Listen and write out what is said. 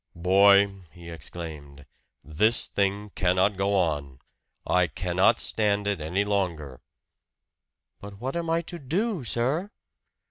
"Boy," he exclaimed, "this thing cannot go on. I cannot stand it any longer!" "But what am I to do, sir?"